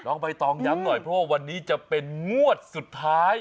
ใบตองย้ำหน่อยเพราะว่าวันนี้จะเป็นงวดสุดท้าย